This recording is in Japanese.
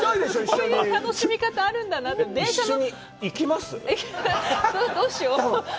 こういう楽しみ方、あるんだなと思って。